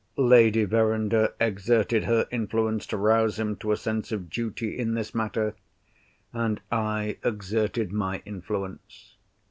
Lady Verinder exerted her influence to rouse him to a sense of duty in this matter; and I exerted my influence.